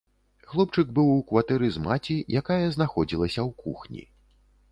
Хлопчык быў у кватэры з маці, якая знаходзілася ў кухні.